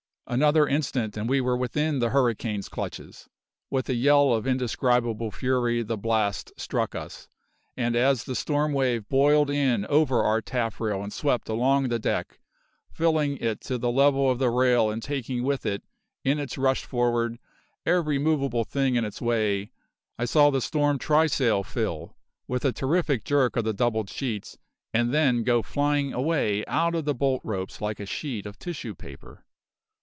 Another instant and we were within the hurricane's clutches. With a yell of indescribable fury the blast struck us, and as the storm wave boiled in over our taffrail and swept along the deck, filling it to the level of the rail and taking with it in its rush for'ard every movable thing in its way, I saw the storm trysail fill, with a terrific jerk of the doubled sheets, and then go flying away out of the bolt ropes like a sheet of tissue paper.